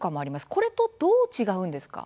これとどう違うんでしょうか。